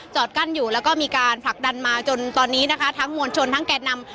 กั้นอยู่แล้วก็มีการผลักดันมาจนตอนนี้นะคะทั้งมวลชนทั้งแก่นำ